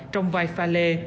trong vai pha lê